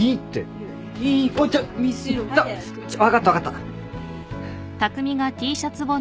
分かった分かった。